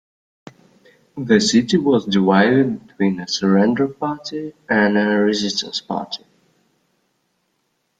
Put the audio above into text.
The city was divided between a surrender party and a resistance party.